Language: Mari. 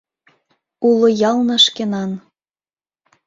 Уло ялна шкенан.